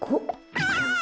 ああ！